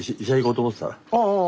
うん。